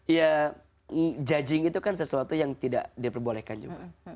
iya ngejudging itu kan sesuatu yang tidak diperbolehkan juga